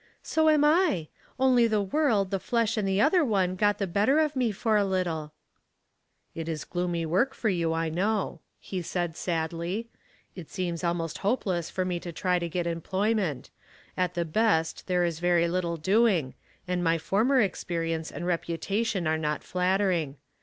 So am I — only the world, the flesh and the othei one got the better of me for a little." 22 338 Household Puzzles, "It is gloomy work for you, I know/' he said, sadly. ''It seems almost hopeless for me to try to get employment ; at the best there is very little doing, and my former experience and repu tation are not flattering.